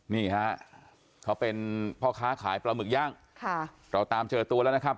นี่ฮะเขาเป็นพ่อค้าขายปลาหมึกย่างค่ะเราตามเจอตัวแล้วนะครับ